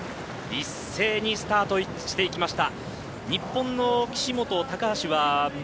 一斉にスタートしていきました。